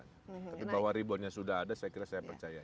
tapi bahwa reboundnya sudah ada saya kira saya percaya